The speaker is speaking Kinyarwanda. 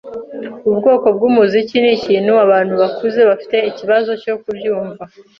Ubu bwoko bwumuziki nikintu abantu bakuze bafite ikibazo cyo kubyumva